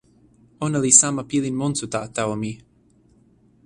ona li sama pilin monsuta tawa mi.